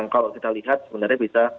kalau kita lihat sebenarnya bisa